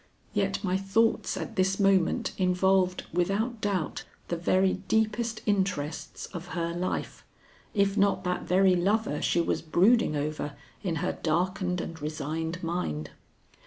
Yet my thoughts at this moment involved, without doubt, the very deepest interests of her life, if not that very lover she was brooding over in her darkened and resigned mind.